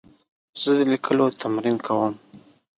زه د لیکلو تمرین کوم.